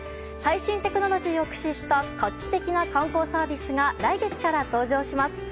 最新テクノロジーを駆使した画期的な観光サービスが来月から登場します。